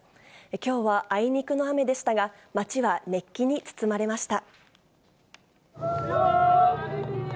きょうはあいにくの雨でしたが、街は熱気に包まれました。